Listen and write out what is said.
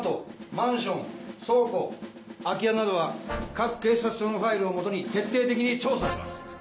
マンション倉庫空き家などは各警察署のファイルを基に徹底的に調査します。